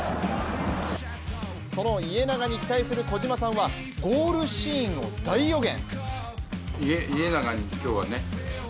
その家長に期待する小島さんはゴールシーンを大予言。